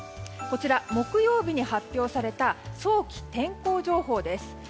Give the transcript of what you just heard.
木曜日に発表された早期天候情報です。